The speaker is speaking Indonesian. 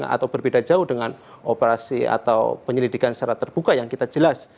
atau berbeda jauh dengan operasi atau penyelidikan secara terbuka yang kita jelas